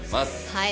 はい。